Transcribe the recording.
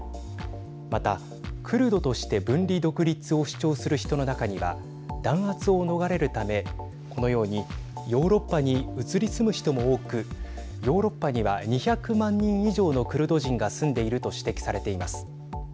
また、クルドとして分離独立を主張する人の中には弾圧を逃れるためこのようにヨーロッパに移り住む人も多くヨーロッパには２００万人以上のクルド人が住んでいると指摘されています。